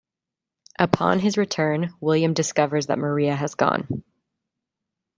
Upon his return William discovers that Maria has gone.